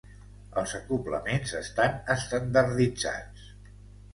Els acoblaments estan estandarditzats.